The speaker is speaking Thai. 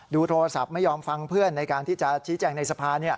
โทรศัพท์ไม่ยอมฟังเพื่อนในการที่จะชี้แจงในสภา